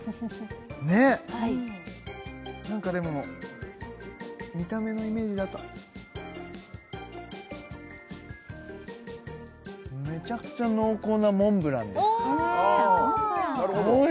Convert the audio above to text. ねえ何かでも見た目のイメージだとめちゃくちゃ濃厚なモンブランですおお！